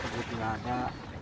jadi nggak ada